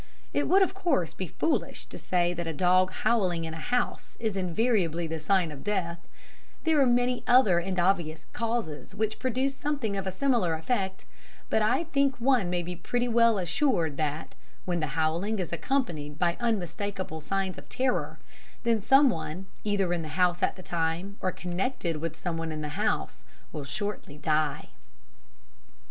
It would, of course, be foolish to say that a dog howling in a house is invariably the sign of death; there are many other and obvious causes which produce something of a similar effect; but I think one may be pretty well assured that, when the howling is accompanied by unmistakable signs of terror, then someone, either in the house at the time, or connected with someone in the house, will shortly die.